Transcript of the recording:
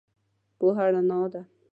پوهه رنا ده.